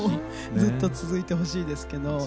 ずっと続いてほしいですけど。